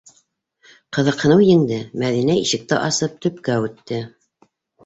Ҡыҙыҡһыныу еңде - Мәҙинә ишекте асып төпкә үтте.